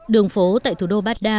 đường phố tại thủ đô baghdad